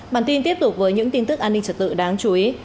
bản tin tiếp tục với những tin tức an ninh trật tự đáng chú ý